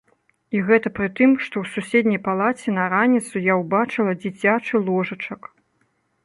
І гэта пры тым, што ў суседняй палаце на раніцу я ўбачыла дзіцячы ложачак.